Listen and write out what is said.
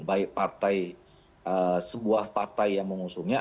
baik partai sebuah partai yang mau ngusungnya